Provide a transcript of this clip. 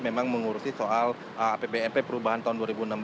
memang mengurusi soal apbnp perubahan tahun dua ribu enam belas